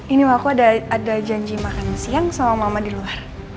ini mamaku ada janji makan siang sama mama di luar